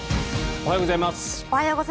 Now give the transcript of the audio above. おはようございます。